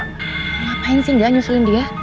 ngapain sih nggak nyusulin dia